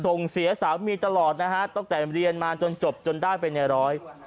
ส่งเสียสามีตลอดนะฮะตั้งแต่เรียนมาจนจบจนได้ไปในร้อย